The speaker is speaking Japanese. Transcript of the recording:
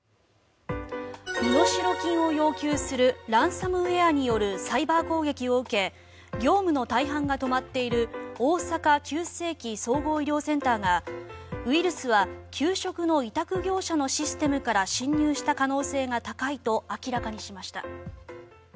身代金を要求するランサムウェアによるサイバー攻撃を受け業務の大半が止まっている大阪急性期・総合医療センターがウイルスは給食の委託業者のシステムから侵入した可能性が高いと明らかにしました。